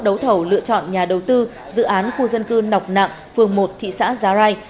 đấu thầu lựa chọn nhà đầu tư dự án khu dân cư nọc nạng phường một thị xã giá rai